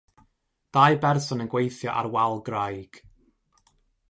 Dau berson yn gweithio ar wal graig.